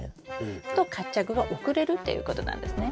と活着が遅れるということなんですね。